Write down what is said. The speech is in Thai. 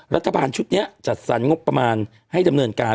รัฐบาลชุดนี้จัดสรรงบประมาณให้ดำเนินการ